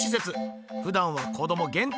ふだんは子ども限定。